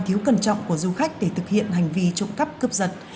thiếu cẩn trọng của du khách để thực hiện hành vi trộm cắp cướp giật